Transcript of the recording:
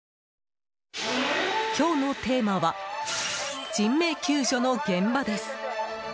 今日のテーマは人命救助の現場です。